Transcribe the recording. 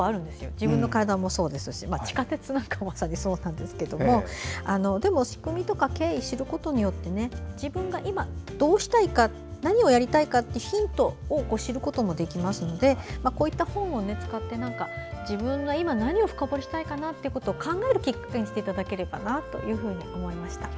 自分の体もそうだし地下鉄なんか、まさにそうですが仕組みとか経緯を知ることによって自分が今、どうしたいか何をやりたいかヒントを知ることもできますのでこういった本を使って自分は今何を深掘りしたいかなと考える、きっかけにしていただければと思いました。